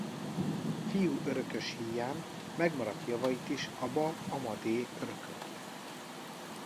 Fiú örökös híján megmaradt javait is Aba Amadé örökölte.